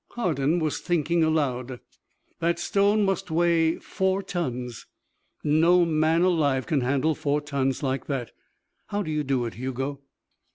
Hardin was thinking aloud. "That stone must weigh four tons. No man alive can handle four tons like that. How do you do it, Hugo?"